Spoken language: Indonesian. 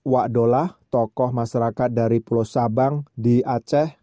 wak dola tokoh masyarakat dari pulau sabang di aceh